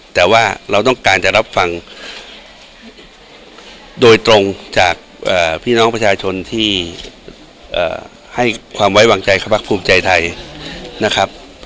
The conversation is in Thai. แต่ว่าเราต้องการจะรับฟังโดยตรงจากพี่น้องประชาชนที่ให้ความไว้วางใจเข้าพักภูมิใจไทยนะครับ